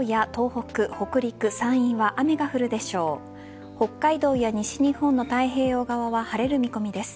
北海道や西日本の太平洋側は晴れる見込みです。